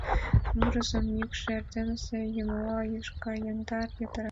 Мурызын йӱкшӧ эрденысе йымыжа юж гай яндар, йытыра.